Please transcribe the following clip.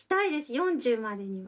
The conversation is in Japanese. ４０までには！